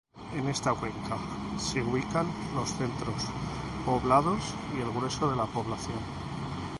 En esta cuenca se ubican los centros poblados y el grueso de la población.